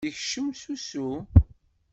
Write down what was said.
Yekcem s usu.